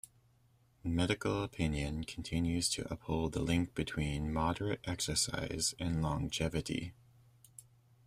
Medical opinion continues to uphold the link between moderate exercise and longevity.